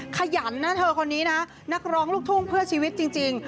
ขยันนะเธอคนนี้นะนักร้องลูกทุ่งเพื่อชีวิตจริง